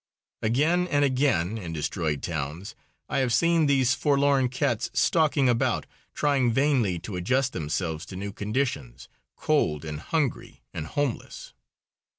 Again and again in destroyed towns I have seen these forlorn cats stalking about, trying vainly to adjust themselves to new conditions, cold and hungry and homeless.